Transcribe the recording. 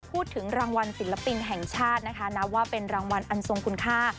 พูดถึงรางวัลศิลปินแห่งชาตินะคะนับว่าเป็นรางวัลอันทรงคุณค่า